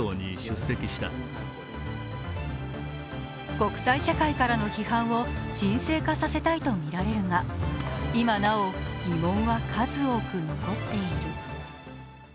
国際社会からの批判を沈静化させたいとみられるが今なお疑問は数多く残っている。